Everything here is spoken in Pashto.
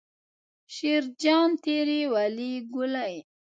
شیرجان تېرې ولي ګولۍ.